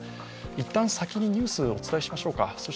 一旦先にニュースをお伝えしましょう。